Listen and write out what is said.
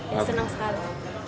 ya senang sekali